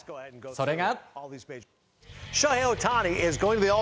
それが。